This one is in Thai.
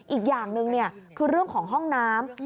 อีกอย่างหนึ่งคือเรื่องของห้องน้ำ